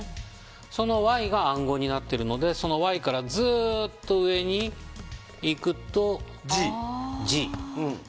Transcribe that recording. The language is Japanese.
そのＹが暗号になっているのでＹからずっと上にいくとＧ。